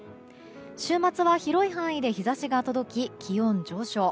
週末は広い範囲で日差しが届き気温上昇。